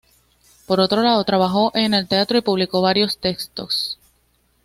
Por otro lado, trabajó en el teatro y publicó varios textos.